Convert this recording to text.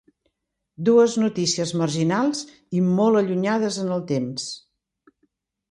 Dues notícies marginals i molt allunyades en el temps.